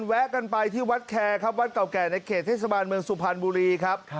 แวะกันไปที่วัดแคร์ครับวัดเก่าแก่ในเขตเทศบาลเมืองสุพรรณบุรีครับ